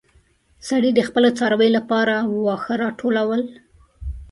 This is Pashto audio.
سړی د خپلو څارويو لپاره واښه راټولول.